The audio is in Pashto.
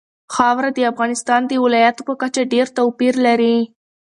خاوره د افغانستان د ولایاتو په کچه ډېر توپیر لري.